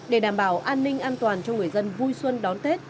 để đảm bảo an ninh an toàn cho người dân vui xuân đón tết